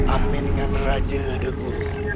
amenan raja degul